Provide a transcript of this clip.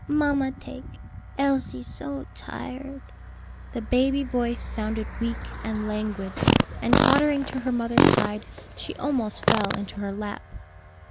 Mamma take; Elsie so tired." The baby voice sounded weak and languid, and tottering to her mother's side, she almost fell into her lap.